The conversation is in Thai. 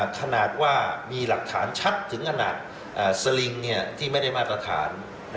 ขนาดว่ามีหลักฐานชัดถึงขนาดสลิงที่ไม่ได้มาตรฐาน